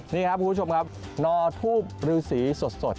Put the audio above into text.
นี่ครับคุณผู้ชมครับนอทูบรือสีสด